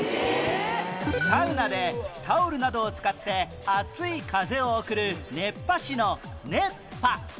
サウナでタオルなどを使って熱い風を送る熱波師の「熱波」